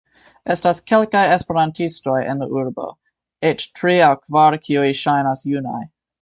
Estas kelkaj Esperantistoj en la urbo, eĉ tri aŭ kvar kiuj ŝajnas junaj.